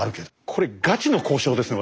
これガチの交渉ですね